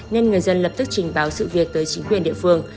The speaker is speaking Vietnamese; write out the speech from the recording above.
nên người dân lập tức trình báo sự việc tới chính quyền địa phương